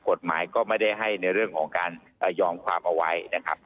กฎหมายก็ไม่ได้ให้ในเรื่องของการยอมความเอาไว้นะครับ